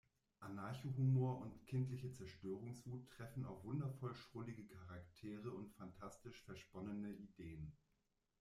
Anarcho-Humor und kindliche Zerstörungswut treffen auf wundervoll schrullige Charaktere und fantastisch-versponnene Ideen.